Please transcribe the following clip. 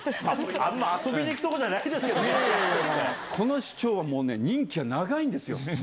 あんま遊びに行く所じゃないこの市長はね、もうね、任期が長いんですよ。